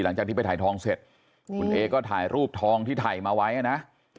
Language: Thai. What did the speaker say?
หลังจากที่ไปถ่ายทองเสร็จคุณเอก็ถ่ายรูปทองที่ถ่ายมาไว้นะ